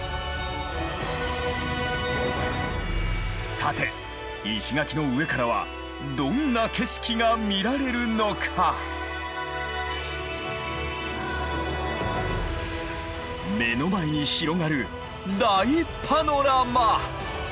さて石垣の上からはどんな景色が見られるのか⁉目の前に広がる大パノラマ！